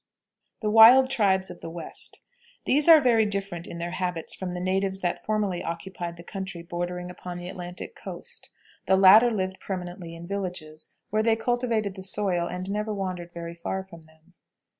THE WILD TRIBES OF THE WEST. These are very different in their habits from the natives that formerly occupied the country bordering upon the Atlantic coast. The latter lived permanently in villages, where they cultivated the soil, and never wandered very far from them.